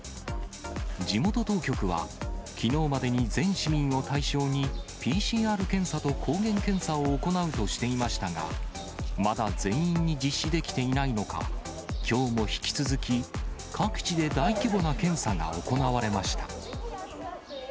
地元当局は、きのうまでに全市民を対象に、ＰＣＲ検査と抗原検査を行うとしていましたが、まだ全員に実施できていないのか、きょうも引き続き、各地で大規模な検査が行われました。